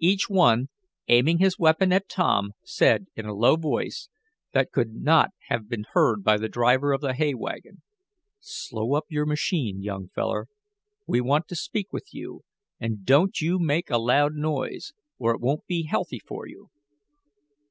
Each one, aiming his weapon at Tom, said in a low voice, that could not have been heard by the driver of the hay wagon: "Slow up your machine, young feller! We want to speak with you, and don't you make a loud noise, or it won't be healthy for you!"